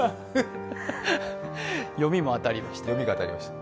読みも当たりました。